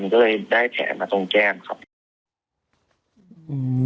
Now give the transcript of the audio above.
ก็เลยได้แผลมาตรงแก้มครับ